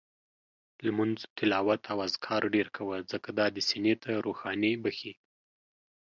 لمونځ، تلاوت او اذکار ډېر کوه، ځکه دا دې سینې ته روښاني بخښي